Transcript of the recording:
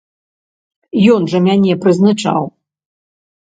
Ён жа мяне прызначаў!